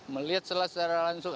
melihat secara langsung